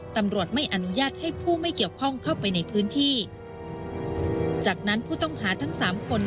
ตำรวจไม่อนุญาตให้ผู้ไม่เกี่ยวข้องเข้าไปในพื้นที่จากนั้นผู้ต้องหาทั้งสามคน